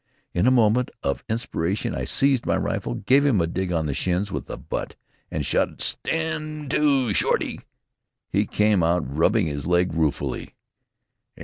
In a moment of inspiration I seized my rifle, gave him a dig in the shins with the butt, and shouted, "Stand to, Shorty!" He came out rubbing his leg ruefully.